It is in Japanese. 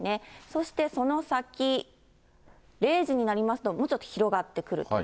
そしてその先、０時になりますと、もうちょっと広がってくると。